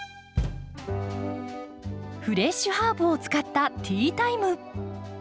フレッシュハーブを使ったティータイム。